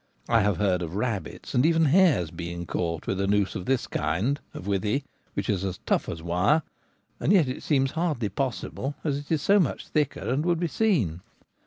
I have heard of rabbits, and even hares, being caught with a noose of this kind of withy, which is as * tough as wire ;' and yet it seems hardly possible, as it is so much thicker and would be seen.